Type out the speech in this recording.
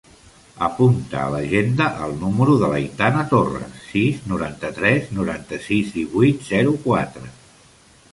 Apunta a l'agenda el número de l'Aitana Torras: sis, noranta-tres, noranta-sis, divuit, zero, quatre.